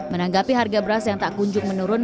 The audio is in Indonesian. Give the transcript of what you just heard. menanggapi harga beras yang tak kunjung menurun